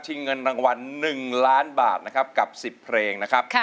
เงินรางวัล๑ล้านบาทนะครับกับ๑๐เพลงนะครับ